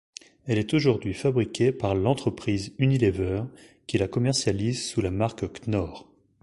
Elle est aujourd'hui fabriquée par l'entreprise Unilever qui la commercialise sous la marque Knorr.